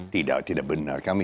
tidak tidak benar kami